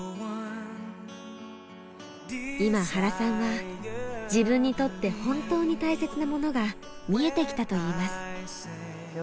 今原さんは自分にとって本当に大切なものが見えてきたと言います。